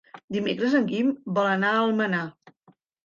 Dimecres en Guim vol anar a Almenar.